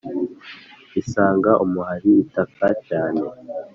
isanga umuhari itaka cyane